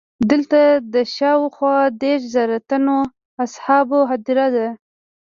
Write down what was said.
دلته د شاوخوا دېرش زره تنو اصحابو هدیره ده.